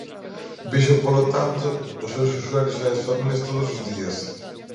Vexo, polo tanto, os seus usuarios e as familias todos os días.